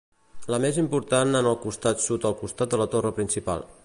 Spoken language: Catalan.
La més important en el costat sud al costat de la torre principal.